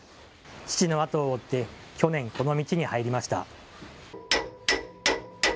父の後を追って去年、この道に入りました。